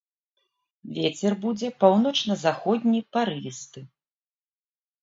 Вецер будзе паўночна-заходні, парывісты.